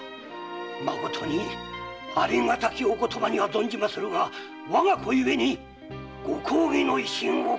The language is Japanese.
まことにありがたきお言葉には存じまするがわが子ゆえにご公儀の威信を傷つけましたるは必定。